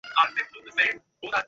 সব জলের মতো পরিষ্কার হয়েছে?